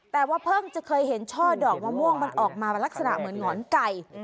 แต่ว่าเพิ่งจะเคยเห็นช่อดอกมะม่วงมันออกมาลักษณะเหมือนหงอนไก่